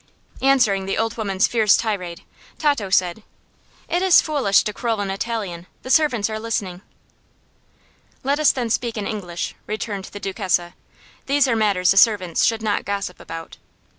Answering the old woman's fierce tirade, Tato said: "It is foolish to quarrel in Italian. The servants are listening." "Let us then speak in English," returned the Duchessa. "These are matters the servants should not gossip about."